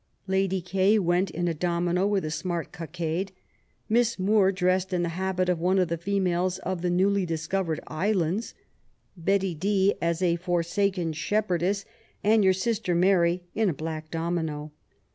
Lady E. went in a domino with a smart cockade ; Miss Moore dressed in the habit of one of the females of the new discovered islands ; Betty D. as a forsaken shepherdess ; and your sister Mary in a black domino.